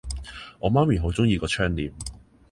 我媽咪好鍾意個窗簾